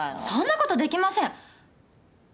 そんなことできません！